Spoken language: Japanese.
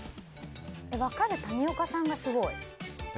分かる谷岡さんがすごい。